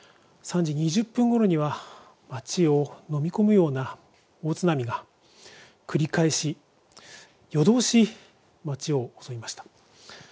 ３時２０分ごろには町をのみ込むような大津波が繰り返し、夜通し町を襲いました。